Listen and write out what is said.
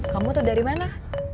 kamu tuh dari mana